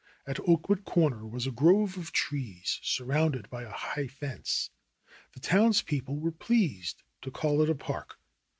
At Oakwood Corner was a grove of trees, sur rounded by a high fence. The townspeople were pleased to call it a park.